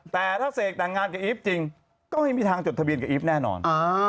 แต่ถ้าเสกแต่งงานกับอีฟจริงก็ไม่มีทางจดทะเบียนกับอีฟแน่นอน